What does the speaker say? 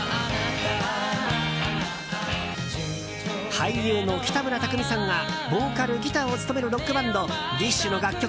俳優の北村匠海さんがボーカル、ギターを務めるロックバンドＤＩＳＨ／／の楽曲